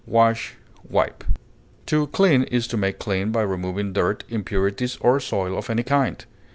disinfect, mop, To clean is to make clean by removing dirt, impurities, or soil of any kind.